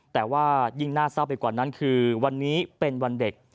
แต่ว่ายิ่งน่าเศร้าไปกว่านั้นคือวันนี้เป็นวันเด็ก